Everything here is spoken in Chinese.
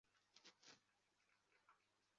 协定是世界贸易组织法律框架的组成部分。